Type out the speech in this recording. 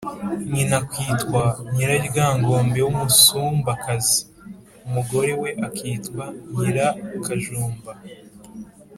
nyina akitwa Nyiraryangombe w’umusumbakazi, umugore we akitwa Nyirakajumba